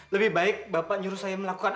lebih baik bapak nyuruh saya melakukan